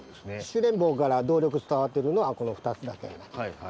主連棒から動力伝わってるのはこの２つだけになります。